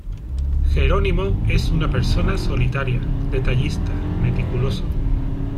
Jerónimo es una persona solitaria, detallista, meticuloso.